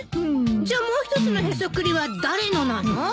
じゃあもう一つのへそくりは誰のなの？